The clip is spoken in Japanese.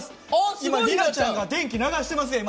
今里奈ちゃんが電気流してます。